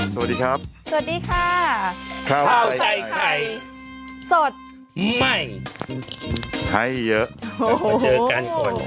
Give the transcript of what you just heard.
สวัสดีครับสวัสดีค่ะข้าวใส่ไข่สดใหม่ให้เยอะมาเจอกันก่อน